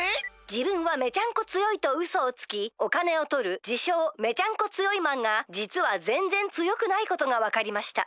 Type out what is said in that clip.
「じぶんはめちゃんこ強いとうそをつきおかねをとるじしょうめちゃんこ強いマンがじつはぜんぜん強くないことがわかりました」。